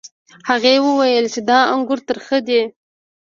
هغې وویل چې دا انګور ترخه دي.